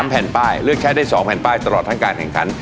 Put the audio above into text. แผ่นป้ายเลือกใช้ได้๒แผ่นป้ายตลอดทั้งการแข่งขัน